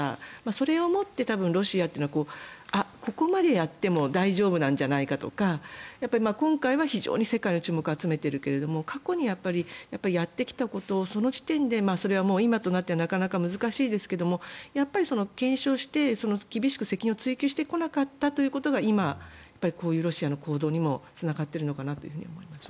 それをもってロシアというのはここまでやっても大丈夫なんじゃないかとか今回は非常に世界の注目を集めているけれども過去にやってきたことをその時点でそれはもう、今となってはなかなか難しいですけれどもやっぱり検証して厳しく責任を追及してこなかったというのが今、こういうロシアの行動にもつながっているのかなと思います。